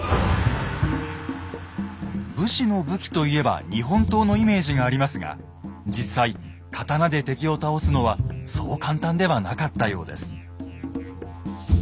武士の武器といえば日本刀のイメージがありますが実際刀で敵を倒すのはそう簡単ではなかったようです。